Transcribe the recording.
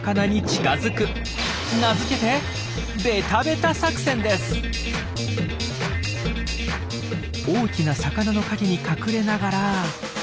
名付けて大きな魚の陰に隠れながら。